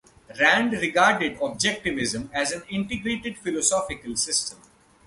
Rand regarded Objectivism as an integrated philosophical system.